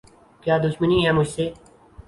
کیا دشمنی ہے مجھ سے؟